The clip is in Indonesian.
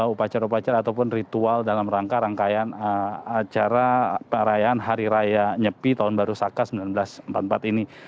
upacara upacara ataupun ritual dalam rangka rangkaian acara perayaan hari raya nyepi tahun baru saka seribu sembilan ratus empat puluh empat ini